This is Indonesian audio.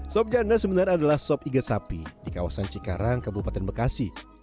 sop ganda sebenarnya adalah sop iga sapi di kawasan cikarang kabupaten bekasi